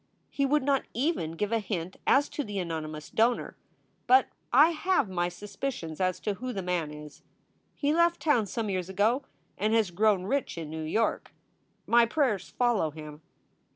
He would not even give a hint as to the anonymous donor, but I have my suspicions as to who the man is. He left town some years ago and has grown rich in New York. My prayers follow him.